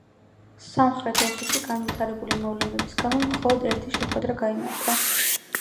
სამხრეთ ოსეთში განვითარებული მოვლენების გამო მხოლოდ ერთი შეხვედრა გაიმართა.